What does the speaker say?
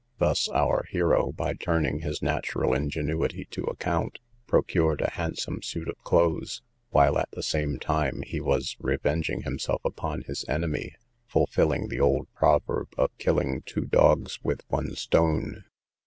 Thus our hero, by turning his natural ingenuity to account, procured a handsome suit of clothes, while, at the same time, he was revenging himself upon his enemy; fulfilling the old proverb of killing two dogs with one stone.